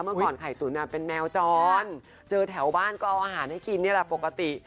เมื่อก่อนไข่ตุ๋นเป็นแมวจรเจอแถวบ้านก็เอาอาหารให้กินนี่แหละปกติ